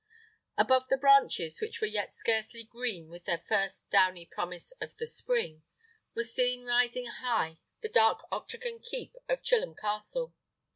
Above the branches, which were yet scarcely green with the first downy promise of the spring, was seen rising high the dark octagon keep of Chilham Castle.